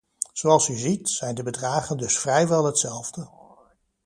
Zoals u ziet, zijn de bedragen dus vrijwel hetzelfde.